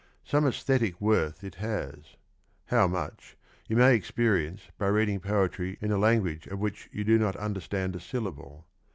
Some aesthetic worth it has; how much, you may experience by reading poetry in a language of which you do not understand a syllable.